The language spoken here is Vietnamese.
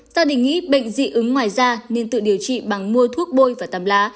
ta định nghĩ bệnh dị ứng ngoài da nên tự điều trị bằng mua thuốc bôi và tắm lá